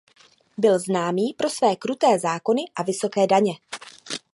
Byl známý pro své kruté zákony a vysoké daně.